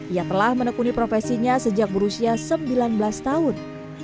ia telah menekuni profesinya sejak berusia sembilan belas tahun